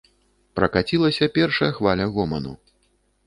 Пракацілася першая хваля гоману.